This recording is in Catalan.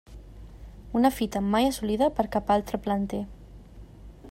Una fita mai assolida per cap altre planter.